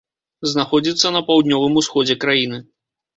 Знаходзіцца на паўднёвым усходзе краіны.